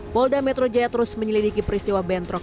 polda metro jaya terus menyelidiki peristiwa bentrok